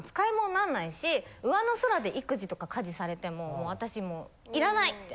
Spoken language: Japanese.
なんないしうわの空で育児とか家事されても私もういらないって。